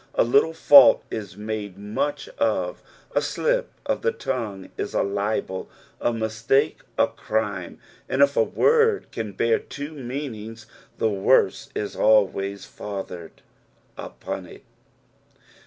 A little fault is made much of ; a slip of the tongue is a libel, a mistake a crime, and if a word can bear two meanings the worse is always fathered upon it.